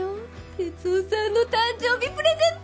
哲雄さんの誕生日プレゼント！